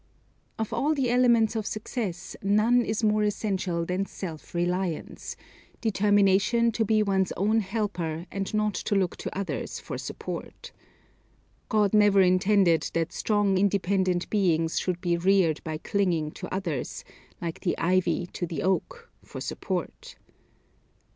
Of all the elements of success, none is more essential than self reliance, determination to be one's own helper, and not to look to others for support. God never intended that strong independent beings should be reared by clinging to others, like the ivy to the oak, for support.